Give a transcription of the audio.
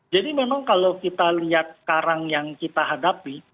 jadi memang kalau kita lihat sekarang yang kita hadapi